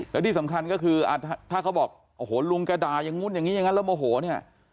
แล้วที่สำคัญก็คือถ้าเขาบอกโอ้โหลุงแกด่าอย่างนู้นอย่างนี้อย่างนั้นแล้วโมโหเนี่ย